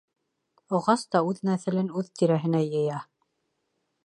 Ағас та үҙ нәҫелен үҙ тирәһенә йыя.